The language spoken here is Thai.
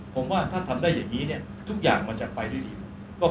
ผมว่าถ้าทำได้อย่างนี้เนี่ยทุกอย่างมันจะไปด้วยดีหมด